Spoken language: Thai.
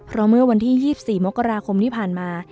เพราะเมื่อวันที่๒๔มกราคมที่ผ่านมา